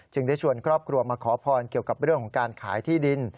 ได้ชวนครอบครัวมาขอพรเกี่ยวกับเรื่องของการขายที่ดิน